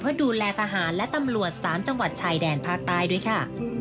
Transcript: เพื่อดูแลทหารและตำรวจ๓จังหวัดชายแดนภาคใต้ด้วยค่ะ